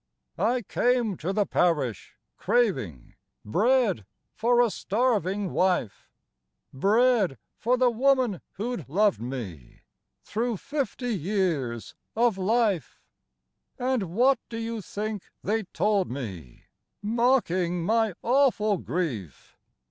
I came to the parish, craving Bread for a starving wife, Bread for the woman who 'd loved me Through fifty years of life ; 12 THE DAG ONE T BALLADS. And what do you think they told me, Mocking my awful grief?